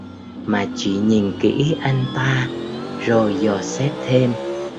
Mà chỉ nhìn kỹ anh ta rồi dò xét thêm